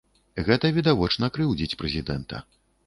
Гэта відавочна крыўдзіць прэзідэнта.